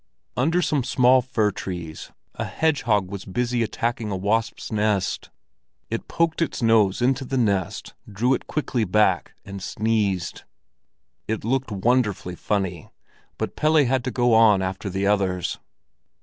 Under some small fir trees a hedgehog was busy attacking a wasps' nest; it poked its nose into the nest, drew it quickly back, and sneezed. It looked wonderfully funny, but Pelle had to go on after the others.